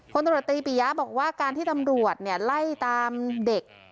ตำรวจตีปิยะบอกว่าการที่ตำรวจไล่ตามเด็ก